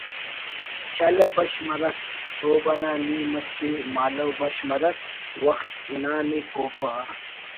شالہ بش مرک سہب انا نی مچے مہالہ بش مرک وخت انا نی کوپہ غا